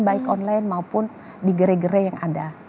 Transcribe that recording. baik online maupun di gere gere yang ada